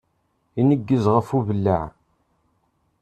Ineggez ɣef ubellaɛ.